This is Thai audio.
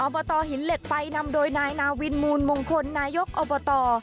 บตหินเหล็กไฟนำโดยนายนาวินมูลมงคลนายกอบต